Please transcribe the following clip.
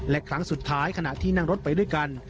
และครั้งสุดท้ายขณะที่นั่งรถไปด้วยกัน